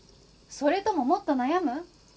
それとももっと悩む？